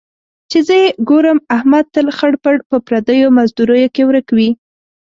چې زه یې ګورم، احمد تل خړ پړ په پردیو مزدوریو کې ورک وي.